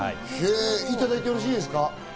いただいてよろしいですか？